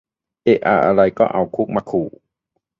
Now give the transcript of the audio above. เอะอะอะไรก็เอาคุกมาขู่